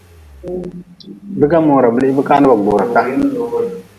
Biga mora blihbka na ba gbura ka.